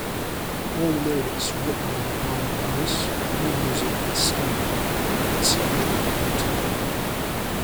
All lyrics written by Aaron Lewis, all music by Staind, except where noted.